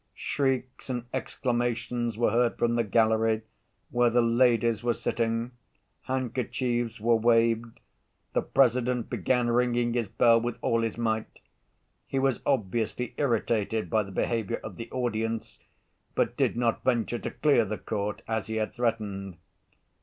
Shrieks and exclamations were heard from the gallery, where the ladies were sitting. Handkerchiefs were waved. The President began ringing his bell with all his might. He was obviously irritated by the behavior of the audience, but did not venture to clear the court as he had threatened.